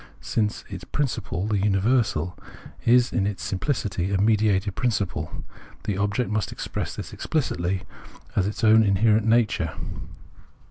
Since its principle, the universal, is in its simphcity a mediated principle, the object must express this explicitly as its own inherent natiu e.